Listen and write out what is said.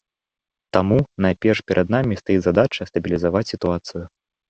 Таму найперш перад намі стаіць задача стабілізаваць сітуацыю.